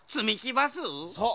そう。